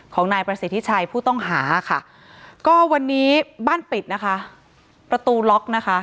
ของนายประสิทธิชัยผู้ต้องหาค่ะก็วันนี้บ้านปิดนะคะประตูล็อกนะคะ